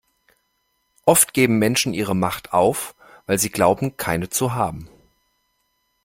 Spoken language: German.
Oft geben Menschen ihre Macht auf, weil sie glauben, keine zu haben.